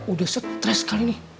udah stres kali ini